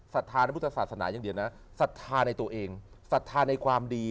ทัธาในพุทธศาสนาอย่างเดียวนะศรัทธาในตัวเองศรัทธาในความดี